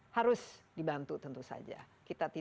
harus di bantu tentu saja